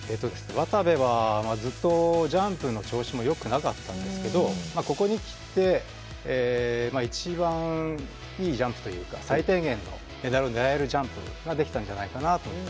渡部はずっとジャンプの調子もよくなかったんですけどここにきて一番いいジャンプというか最低限のメダルを狙えるジャンプができたんじゃないかなと。